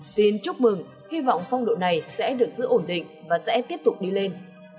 xin chúc mừng hy vọng phong độ này sẽ được giữ ổn định và sẽ tiếp tục đi lên